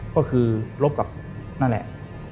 ก็คือลบกับนั่นแหละ